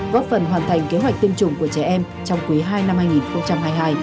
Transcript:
góp phần hoàn thành kế hoạch tiêm chủng của trẻ em trong quý ii năm hai nghìn hai mươi hai